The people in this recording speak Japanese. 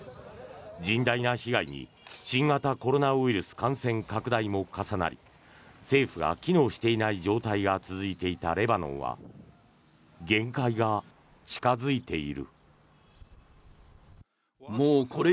甚大な被害に新型コロナウイルス感染拡大も重なり政府が機能していない状態が続いていたレバノンは限界が近付いている。